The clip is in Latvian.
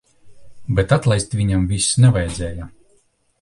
Bet atlaist viņam vis nevajadzēja.